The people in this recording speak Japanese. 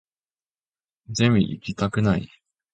ゼミ行きたくない